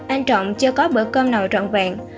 anh trọng chưa có bữa cơm nào trọn vẹn